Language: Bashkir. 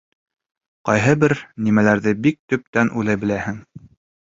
Ҡайһы бер нәмәләрҙе бик төптән уйлай беләһең.